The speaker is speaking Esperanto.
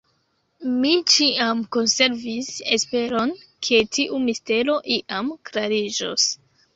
Mi ĉiam konservis esperon, ke tiu mistero iam klariĝos.